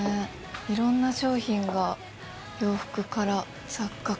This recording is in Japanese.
いろんな商品が洋服から雑貨から。